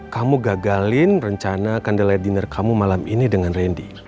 kamu gagalin rencana condela dinner kamu malam ini dengan randy